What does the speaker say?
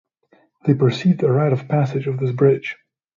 They perceived a right of passage of this bridge.